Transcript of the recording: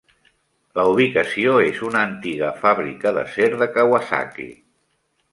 La ubicació és una antiga fàbrica d'acer de Kawasaki.